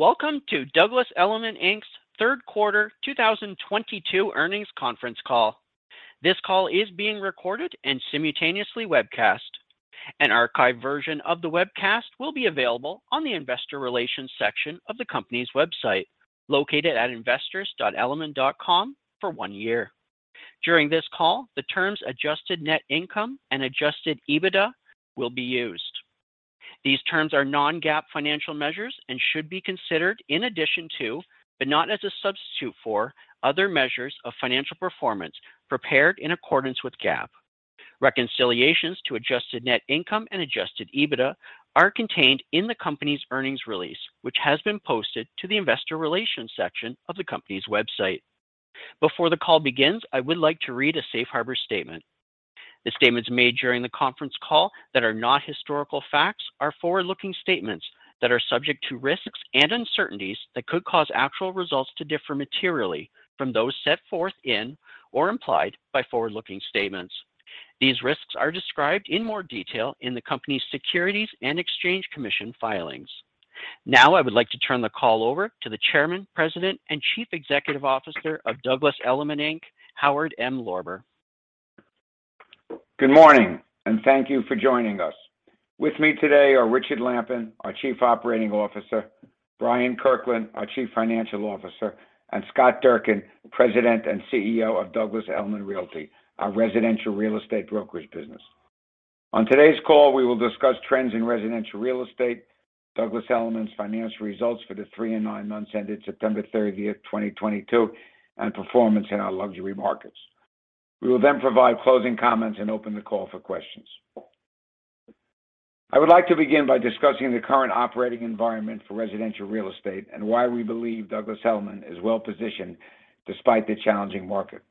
Welcome to Douglas Elliman Inc.'s Q3 2022 earnings conference call. This call is being recorded and simultaneously webcast. An archived version of the webcast will be available on the investor relations section of the company's website, located at investors.elliman.com for one year. During this call, the terms adjusted net income and adjusted EBITDA will be used. These terms are non-GAAP financial measures and should be considered in addition to, but not as a substitute for other measures of financial performance prepared in accordance with GAAP. Reconciliations to adjusted net income and adjusted EBITDA are contained in the company's earnings release, which has been posted to the investor relations section of the company's website. Before the call begins, I would like to read a safe harbor statement. The statements made during the conference call that are not historical facts are forward-looking statements that are subject to risks and uncertainties that could cause actual results to differ materially from those set forth in or implied by forward-looking statements. These risks are described in more detail in the company's Securities and Exchange Commission filings. Now I would like to turn the call over to the Chairman, President, and Chief Executive Officer of Douglas Elliman Inc., Howard M. Lorber. Good morning, and thank you for joining us. With me today are Richard Lampen, our Chief Operating Officer, Brian Kirkland, our Chief Financial Officer, and Scott Durkin, President and CEO of Douglas Elliman Realty, our residential real estate brokerage business. On today's call, we will discuss trends in residential real estate, Douglas Elliman's financial results for the three and nine months ended September 30th, 2022, and performance in our luxury markets. We will then provide closing comments and open the call for questions. I would like to begin by discussing the current operating environment for residential real estate and why we believe Douglas Elliman is well-positioned despite the challenging market.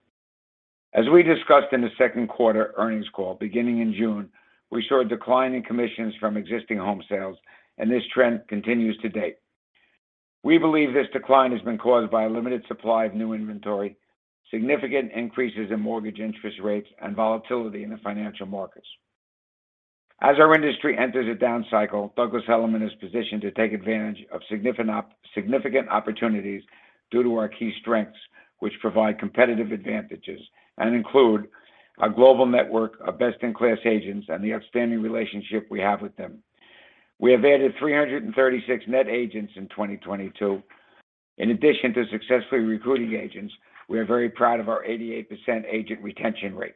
As we discussed in the Q2 earnings call, beginning in June, we saw a decline in commissions from existing home sales, and this trend continues to date. We believe this decline has been caused by a limited supply of new inventory, significant increases in mortgage interest rates, and volatility in the financial markets. As our industry enters a down cycle, Douglas Elliman is positioned to take advantage of significant opportunities due to our key strengths, which provide competitive advantages and include our global network of best-in-class agents and the outstanding relationship we have with them. We have added 336 net agents in 2022. In addition to successfully recruiting agents, we are very proud of our 88% agent retention rate.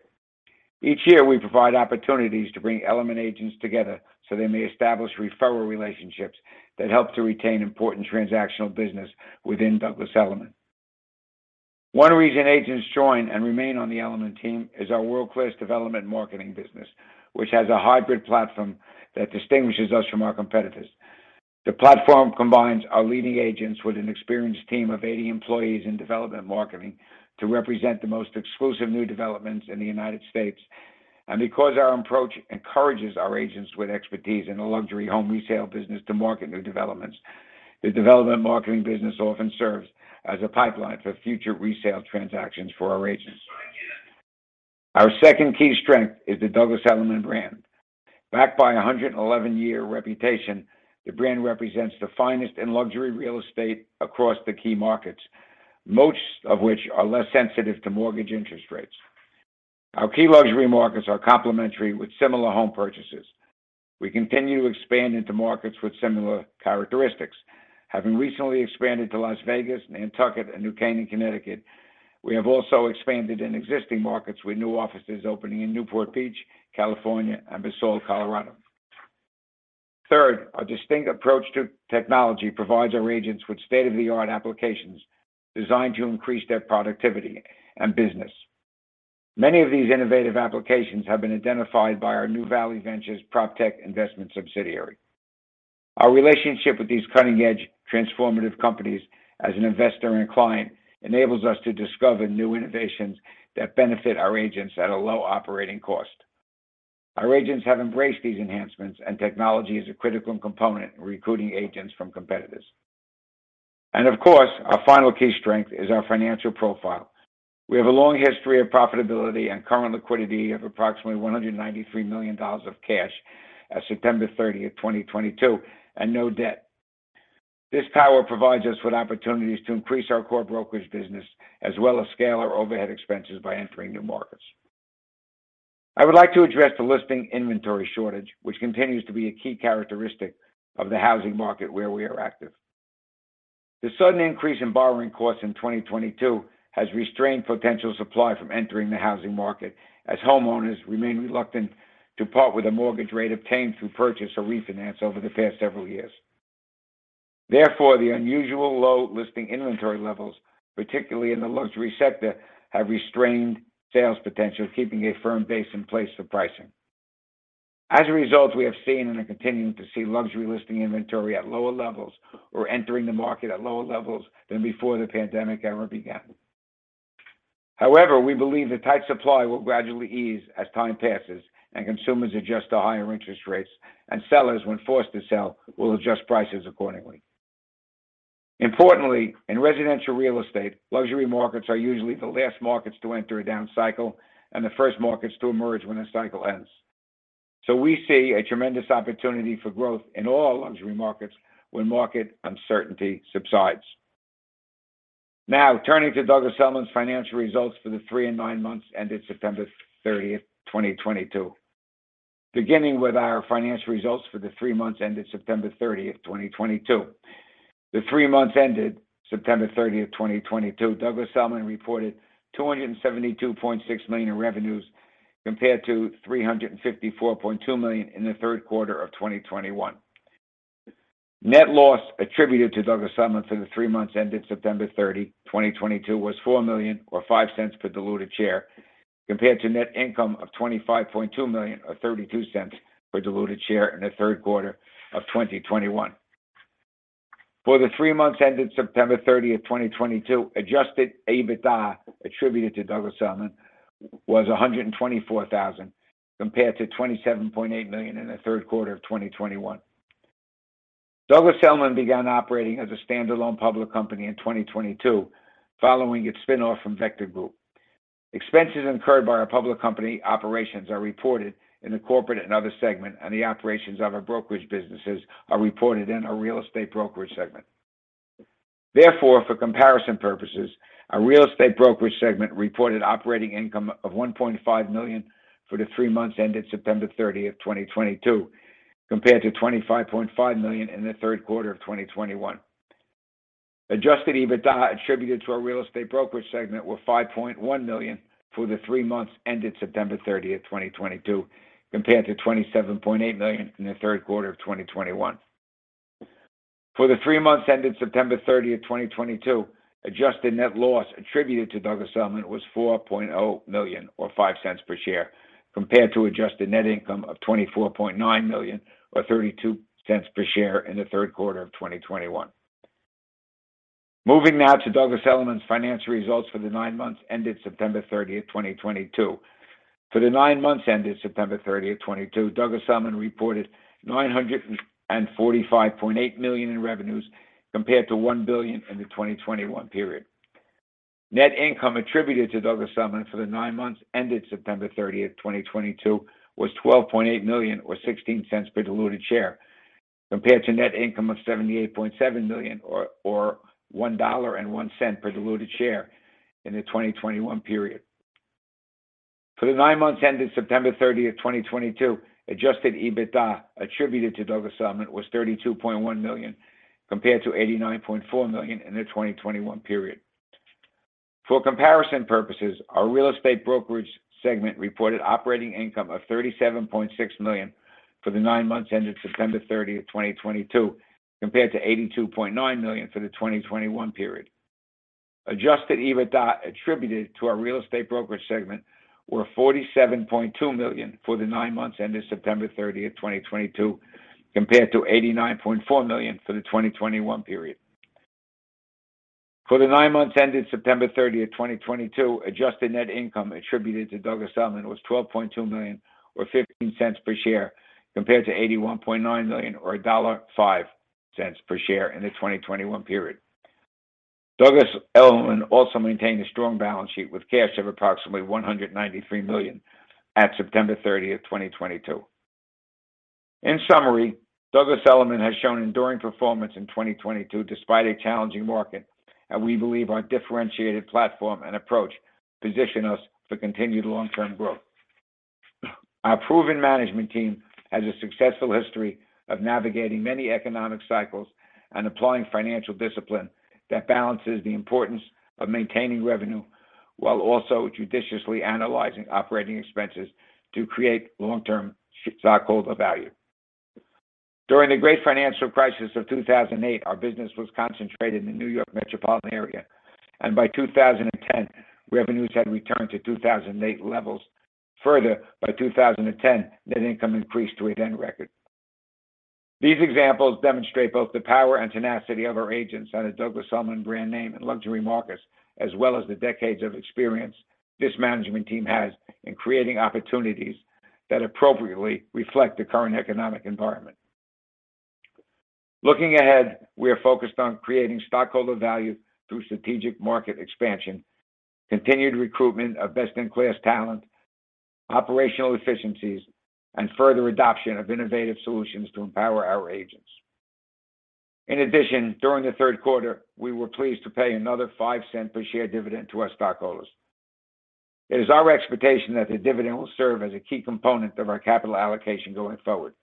Each year, we provide opportunities to bring Elliman agents together so they may establish referral relationships that help to retain important transactional business within Douglas Elliman. One reason agents join and remain on the Elliman team is our world-class development marketing business, which has a hybrid platform that distinguishes us from our competitors. The platform combines our leading agents with an experienced team of 80 employees in development marketing to represent the most exclusive new developments in the United States. Because our approach encourages our agents with expertise in the luxury home resale business to market new developments, the development marketing business often serves as a pipeline for future resale transactions for our agents. Our second key strength is the Douglas Elliman brand. Backed by a 111-year reputation, the brand represents the finest in luxury real estate across the key markets, most of which are less sensitive to mortgage interest rates. Our key luxury markets are complementary with similar home purchases. We continue to expand into markets with similar characteristics. Having recently expanded to Las Vegas, Nantucket, and New Canaan, Connecticut, we have also expanded in existing markets with new offices opening in Newport Beach, California, and Basalt, Colorado. Third, our distinct approach to technology provides our agents with state-of-the-art applications designed to increase their productivity and business. Many of these innovative applications have been identified by our New Valley Ventures PropTech investment subsidiary. Our relationship with these cutting-edge, transformative companies as an investor and client enables us to discover new innovations that benefit our agents at a low operating cost. Our agents have embraced these enhancements, and technology is a critical component in recruiting agents from competitors. Of course, our final key strength is our financial profile. We have a long history of profitability and current liquidity of approximately $193 million of cash as of September 30th, 2022, and no debt. This power provides us with opportunities to increase our core brokerage business as well as scale our overhead expenses by entering new markets. I would like to address the listing inventory shortage, which continues to be a key characteristic of the housing market where we are active. The sudden increase in borrowing costs in 2022 has restrained potential supply from entering the housing market as homeowners remain reluctant to part with a mortgage rate obtained through purchase or refinance over the past several years. Therefore, the unusual low listing inventory levels, particularly in the luxury sector, have restrained sales potential, keeping a firm base in place for pricing. As a result, we have seen and are continuing to see luxury listing inventory at lower levels or entering the market at lower levels than before the pandemic ever began. However, we believe the tight supply will gradually ease as time passes and consumers adjust to higher interest rates, and sellers, when forced to sell, will adjust prices accordingly. Importantly, in residential real estate, luxury markets are usually the last markets to enter a down cycle and the first markets to emerge when a cycle ends. We see a tremendous opportunity for growth in all luxury markets when market uncertainty subsides. Now, turning to Douglas Elliman's financial results for the three and nine months ended September 30th, 2022. Beginning with our financial results for the three months ended September 30th, 2022. The three months ended September 30th, 2022, Douglas Elliman reported $272.6 million in revenues compared to $354.2 million in the Q3 of 2021. Net loss attributed to Douglas Elliman for the three months ended September 30, 2022 was $4 million or $0.05 per diluted share, compared to net income of $25.2 million or $0.32 per diluted share in the Q3 of 2021. For the three months ended September 30th, 2022, adjusted EBITDA attributed to Douglas Elliman was $124,000, compared to $27.8 million in the Q3 of 2021. Douglas Elliman began operating as a standalone public company in 2022 following its spin-off from Vector Group. Expenses incurred by our public company operations are reported in the corporate and other segment, and the operations of our brokerage businesses are reported in our real estate brokerage segment. Therefore, for comparison purposes, our real estate brokerage segment reported operating income of $1.5 million for the three months ended September 30th, 2022, compared to $25.5 million in the Q3 of 2021. Adjusted EBITDA attributed to our real estate brokerage segment were $5.1 million for the three months ended September 30th, 2022, compared to $27.8 million in the Q3 of 2021. For the three months ended September 30th, 2022, adjusted net loss attributed to Douglas Elliman was $4.0 million or $0.05 per share, compared to adjusted net income of $24.9 million or $0.32 per share in the Q3 of 2021. Moving now to Douglas Elliman's financial results for the nine months ended September 30th, 2022. For the nine months ended September 30th, 2022, Douglas Elliman reported $945.8 million in revenues compared to $1 billion in the 2021 period. Net income attributed to Douglas Elliman for the nine months ended September 30th, 2022 was $12.8 million or $0.16 per diluted share, compared to net income of $78.7 million or $1.01 per diluted share in the 2021 period. For the nine months ended September 30th, 2022, adjusted EBITDA attributed to Douglas Elliman was $32.1 million, compared to $89.4 million in the 2021 period. For comparison purposes, our real estate brokerage segment reported operating income of $37.6 million for the nine months ended September 30th, 2022, compared to $82.9 million for the 2021 period. Adjusted EBITDA attributed to our real estate brokerage segment were $47.2 million for the nine months ended September 30th, 2022, compared to $89.4 million for the 2021 period. For the nine months ended September 30th, 2022, adjusted net income attributed to Douglas Elliman was $12.2 million or $0.15 per share, compared to $81.9 million or $1.05 per share in the 2021 period. Douglas Elliman also maintained a strong balance sheet with cash of approximately $193 million at September 30th, 2022. In summary, Douglas Elliman has shown enduring performance in 2022 despite a challenging market, and we believe our differentiated platform and approach position us for continued long-term growth. Our proven management team has a successful history of navigating many economic cycles and applying financial discipline that balances the importance of maintaining revenue while also judiciously analyzing operating expenses to create long-term stakeholder value. During the great financial crisis of 2008, our business was concentrated in the New York metropolitan area, and by 2010, revenues had returned to 2008 levels. Further, by 2010, net income increased to a then record. These examples demonstrate both the power and tenacity of our agents and the Douglas Elliman brand name in luxury markets, as well as the decades of experience this management team has in creating opportunities that appropriately reflect the current economic environment. Looking ahead, we are focused on creating stockholder value through strategic market expansion, continued recruitment of best-in-class talent, operational efficiencies, and further adoption of innovative solutions to empower our agents. In addition, during the Q3, we were pleased to pay another $0.05 per share dividend to our stockholders. It is our expectation that the dividend will serve as a key component of our capital allocation going forward.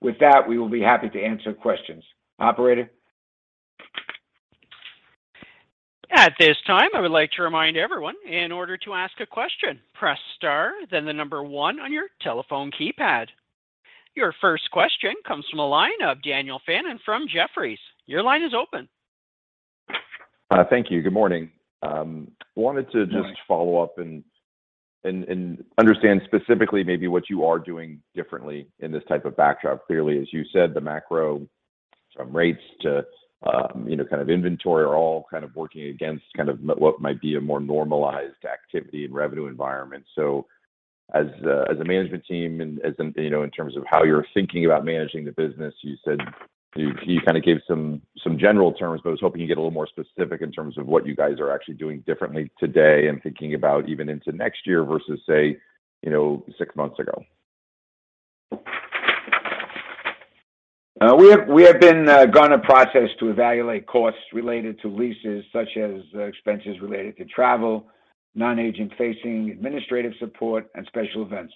With that, we will be happy to answer questions. Operator? At this time, I would like to remind everyone, in order to ask a question, press star then the number one on your telephone keypad. Your first question comes from a line of Daniel Fannon from Jefferies. Your line is open. Thank you. Good morning. Follow up and understand specifically maybe what you are doing differently in this type of backdrop. Clearly, as you said, the macro from rates to, you know, kind of inventory are all kind of working against kind of what might be a more normalized activity and revenue environment. As a management team and, you know, in terms of how you are thinking about managing the business, you said. You kind of gave some general terms, but I was hoping you would get a little more specific in terms of what you guys are actually doing differently today and thinking about even into next year versus, say, you know, six months ago. We have undergone a process to evaluate costs related to leases such as expenses related to travel, non-agent facing administrative support and special events.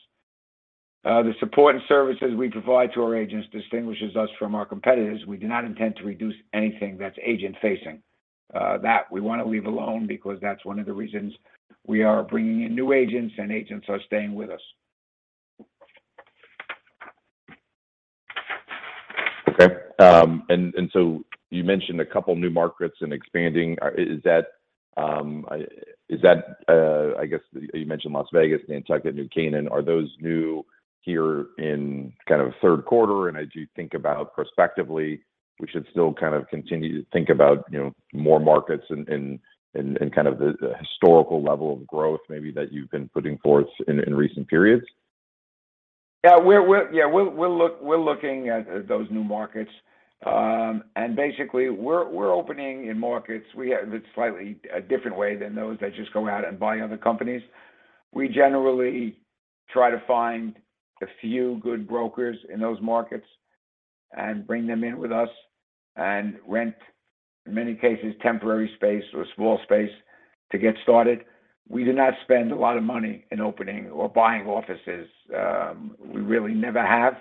The support and services we provide to our agents distinguishes us from our competitors. We do not intend to reduce anything that's agent-facing. That we wanna leave alone because that's one of the reasons we are bringing in new agents, and agents are staying with us. Okay. You mentioned a couple new markets and expanding. Is that, I guess you mentioned Las Vegas, Nantucket, New Canaan, are those new here in kind of Q3? As you think about prospectively, we should still kind of continue to think about, you know, more markets and kind of the historical level of growth maybe that you've been putting forth in recent periods. Yeah. We're looking at those new markets. Basically we're opening in markets. It's slightly a different way than those that just go out and buy other companies. We generally try to find a few good brokers in those markets and bring them in with us and rent, in many cases, temporary space or small space to get started. We do not spend a lot of money in opening or buying offices. We really never have.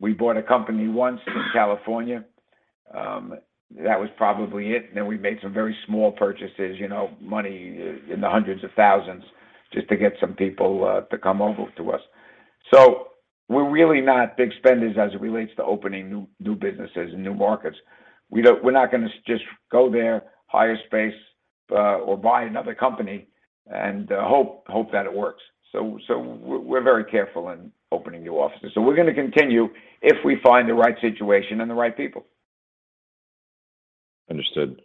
We bought a company once in California, that was probably it, and then we made some very small purchases, you know, money in the hundreds of thousands just to get some people to come over to us. We're really not big spenders as it relates to opening new businesses and new markets. We're not gonna just go there, hire space, or buy another company and hope that it works. We're very careful in opening new offices. We're gonna continue if we find the right situation and the right people. Understood.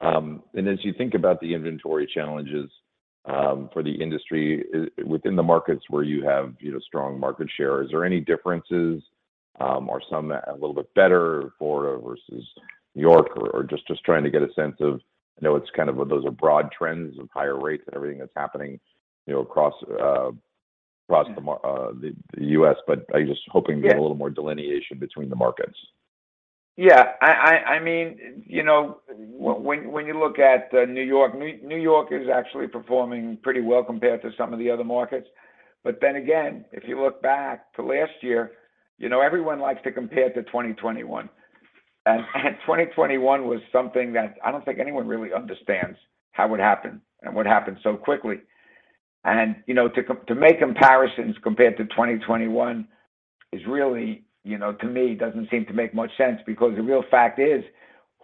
As you think about the inventory challenges for the industry, within the markets where you have, you know, strong market share, is there any differences? Are some a little bit better, Florida versus New York or just trying to get a sense of, I know it's kind of those are broad trends of higher rates and everything that's happening, you know, across the U.S., but I'm just hoping to get Yeah. A little more delineation between the markets. Yeah. I mean, you know, when you look at New York. New York is actually performing pretty well compared to some of the other markets. Then again, if you look back to last year, you know, everyone likes to compare to 2021. 2021 was something that I don't think anyone really understands how it happened and what happened so quickly. You know, to make comparisons compared to 2021 is really, you know, to me doesn't seem to make much sense because the real fact is,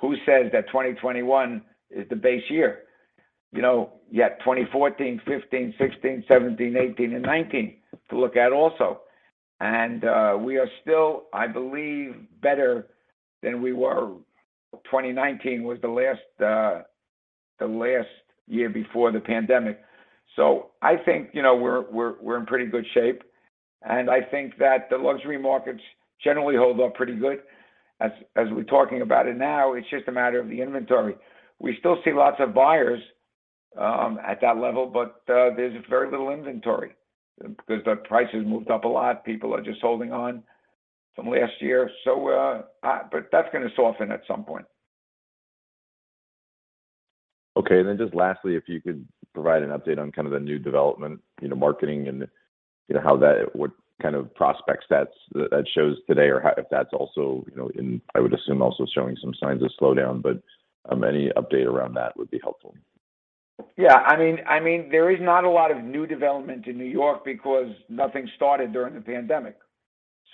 who says that 2021 is the base year? You know, you have 2014, 2015, 2016, 2017, 2018 and 2019 to look at also. We are still, I believe, better than we were. 2019 was the last year before the pandemic. I think, you know, we're in pretty good shape, and I think that the luxury markets generally hold up pretty good as we're talking about it now. It's just a matter of the inventory. We still see lots of buyers at that level, but there's very little inventory because the prices moved up a lot. People are just holding on from last year. That's gonna soften at some point. Okay. Just lastly, if you could provide an update on kind of the new development, you know, marketing and, you know, what kind of prospects that shows today or if that's also, you know, and I would assume also showing some signs of slowdown, but any update around that would be helpful. Yeah. I mean, there is not a lot of new development in New York because nothing started during the pandemic.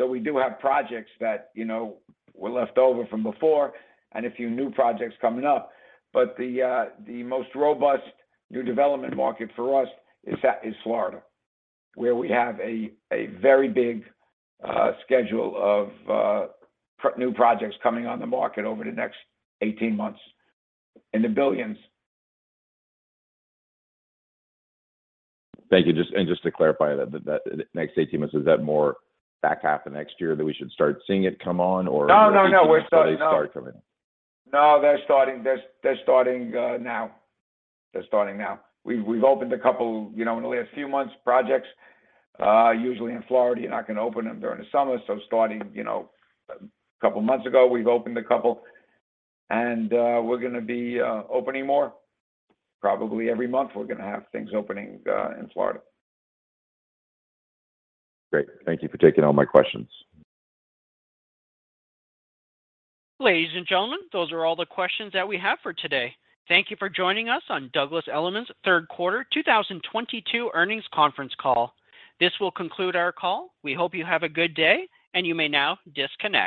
We do have projects that, you know, were left over from before and a few new projects coming up. The most robust new development market for us is Florida, where we have a very big schedule of new projects coming on the market over the next 18 months, in the $ billions. Thank you. Just to clarify that next 18 months, is that more back half of next year that we should start seeing it come on or No, no. We're starting now. They start coming. No, they're starting now. They're starting now. We've opened a couple, you know, in the last few months, projects. Usually in Florida, you're not gonna open them during the summer. Starting, you know, a couple months ago, we've opened a couple, and we're gonna be opening more. Probably every month we're gonna have things opening in Florida. Great. Thank you for taking all my questions. Ladies and gentlemen, those are all the questions that we have for today. Thank you for joining us on Douglas Elliman's Q3 2022 earnings conference call. This will conclude our call. We hope you have a good day, and you may now disconnect.